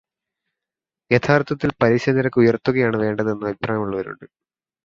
യഥാർത്ഥത്തിൽ പലിശനിരക്ക് ഉയർത്തുകയാണ് വേണ്ടത് എന്ന് അഭിപ്രായമുള്ളവരുണ്ട്.